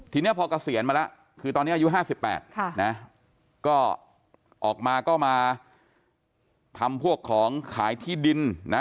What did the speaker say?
ทีนี้พอเกษียณมาแล้วคือตอนนี้อายุ๕๘นะก็ออกมาก็มาทำพวกของขายที่ดินนะ